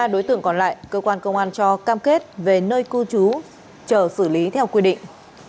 ba đối tượng còn lại cơ quan công an cho cam kết về nơi cư trú chờ xử lý theo quy định